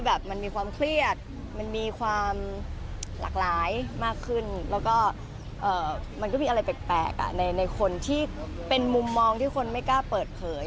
และมันก็มีอะไรแปลกแฯยในคนที่เป็นมุมมองที่คนไม่กล้าเปิดเขย